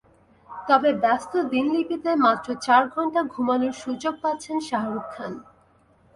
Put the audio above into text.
তবে ব্যস্ত দিনলিপিতে মাত্র চার ঘণ্টা ঘুমানোর সুযোগ পাচ্ছেন শাহরুখ খান।